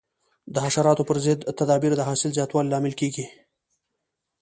د حشراتو پر ضد تدابیر د حاصل زیاتوالي لامل کېږي.